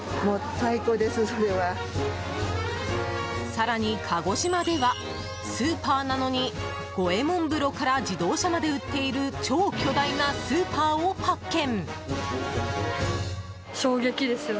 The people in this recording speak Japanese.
更に鹿児島ではスーパーなのに五右衛門風呂から自動車まで売っている超巨大なスーパーを発見。